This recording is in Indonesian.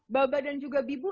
babak dan juga bibu